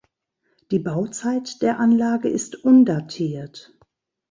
Die Bauzeit der Anlage ist undatiert.